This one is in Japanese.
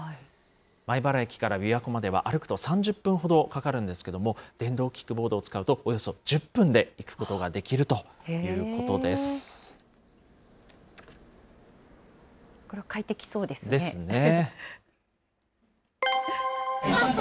米原駅からびわ湖までは、歩くと３０分ほどかかるんですけれども、電動キックボードを使うとおよそ１０分で行くことができるということです。ですね。